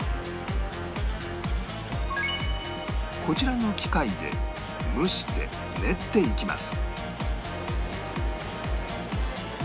こちらの機械で蒸して練っていきます